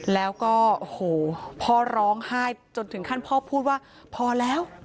แล้วก็โอ้โหพ่อร้องไห้จนถึงขั้นพ่อพูดว่าพอแล้ว